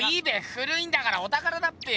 古いんだからおたからだっぺよ！